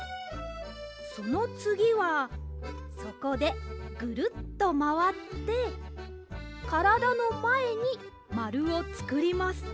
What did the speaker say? そのつぎはそこでぐるっとまわってからだのまえにまるをつくります。